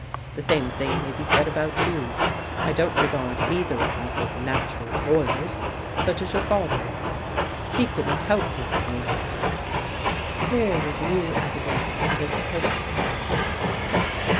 The same thing may be said about you. I don't regard either of us as natural lawyers, such as your father was. He couldn't help being a lawyer." Here was new evidence of his perspicacity.